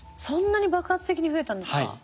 そんなに爆発的に増えたんですか？